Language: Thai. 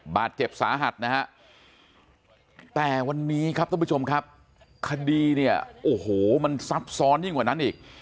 บาดเจ็บสาหัสนะฮะแต่วันนี้ครับท่านผู้ชมครับคดีเนี่ยโอ้โหมันซับซ้อนยิ่งกว่านั้นอีก